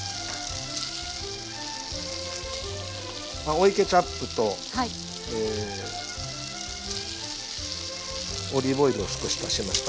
追いケチャップとオリーブ油を少し足しました。